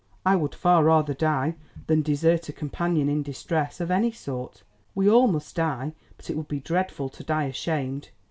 I would far rather die than desert a companion in distress, of any sort; we all must die, but it would be dreadful to die ashamed.